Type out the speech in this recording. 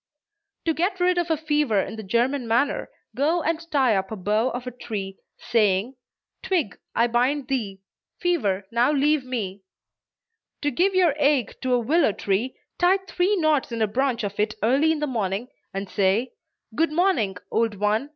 To get rid of a fever in the German manner, go and tie up a bough of a tree, saying, "Twig, I bind thee; fever, now leave me!" To give your ague to a willow tree, tie three knots in a branch of it early in the morning, and say, "Good morning, old one!